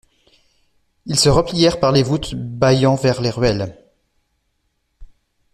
Ils se replièrent par les voûtes bayant vers les ruelles.